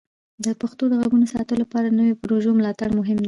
د پښتو د غږونو د ساتلو لپاره د نوو پروژو ملاتړ مهم دی.